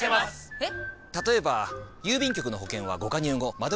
えっ！